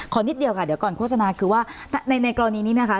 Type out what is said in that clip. นิดเดียวค่ะเดี๋ยวก่อนโฆษณาคือว่าในกรณีนี้นะคะ